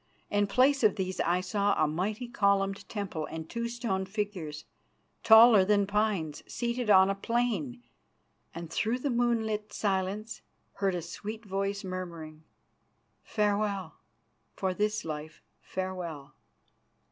In place of these I saw a mighty columned temple and two stone figures, taller than pines, seated on a plain, and through the moonlit silence heard a sweet voice murmuring: "Farewell. For this life, farewell!"